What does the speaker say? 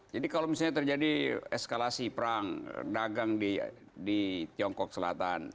jadi kalau misalnya terjadi eskalasi perang dagang di tiongkok selatan